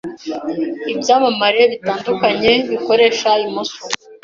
Ibyamamare bitandukanye bikoresha imoso